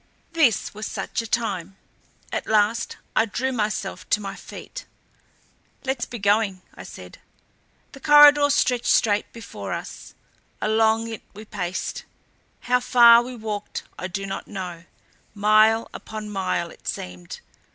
This was such a time. At last I drew myself to my feet. "Let's be going," I said. The corridor stretched straight before us; along it we paced. How far we walked I do not know; mile upon mile, it seemed.